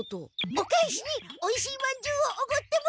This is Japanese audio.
お返しにおいしいまんじゅうをおごってもらおうと！